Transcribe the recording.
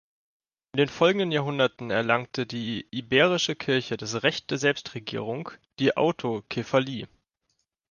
In den folgenden Jahrhunderten erlangte die iberische Kirche das Recht der Selbstregierung, die Autokephalie.